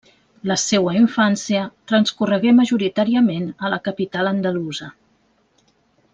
La seua infància transcorregué majoritàriament a la capital andalusa.